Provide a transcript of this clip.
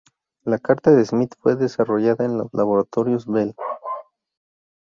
La carta de Smith fue desarrollada en los Laboratorios Bell.